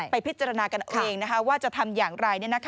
พิจารณากันเอาเองว่าจะทำอย่างไร